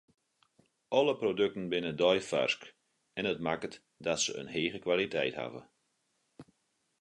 Alle produkten binne deifarsk en dat makket dat se in hege kwaliteit hawwe.